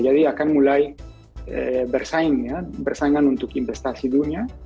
akan mulai bersaing ya bersaingan untuk investasi dunia